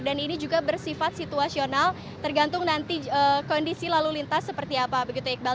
dan ini juga bersifat situasional tergantung nanti kondisi lalu lintas seperti apa begitu ya iqbal